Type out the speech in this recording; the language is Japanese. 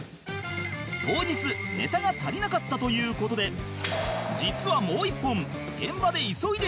当日ネタが足りなかったという事で実はもう１本現場で急いで作ったそう